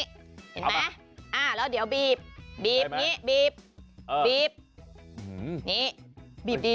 นี่เห็นไหมอ่าแล้วเดี๋ยวบีบบีบนี่บีบบีบนี่